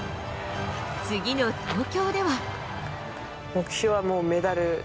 次の東京では。